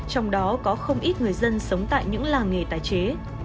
trong đó có không ít người dân sống tại những làng nghề tái chế